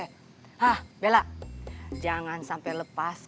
hah bela jangan sampai lepas